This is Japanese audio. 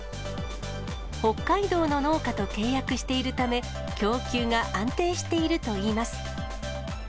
北海道の農家と契約しているため、供給が安定しているといいます。